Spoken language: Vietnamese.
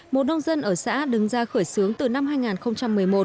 một nông dân ở xã đứng ra khởi xướng từ năm hai nghìn một mươi một